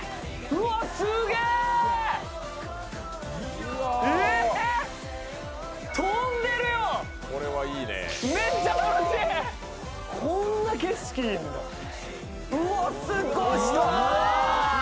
うわ、すっごい下。